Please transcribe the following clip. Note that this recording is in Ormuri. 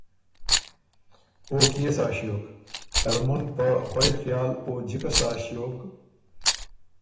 او کيې سا ݭیوک؟ ترمُن په خوئ خیال او جِکه سا ݭیوک